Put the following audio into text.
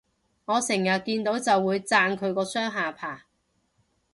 我成日見到就會讚佢個雙下巴